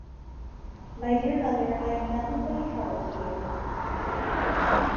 My dear mother, I am nothing but a trouble to you.